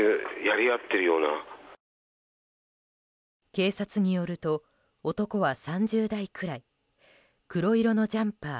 警察によると男は３０代くらい黒色のジャンパー